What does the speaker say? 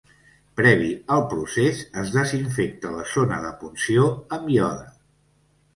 Previ al procés es desinfecta la zona de punció amb iode.